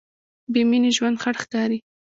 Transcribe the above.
بېمینې ژوند خړ ښکاري.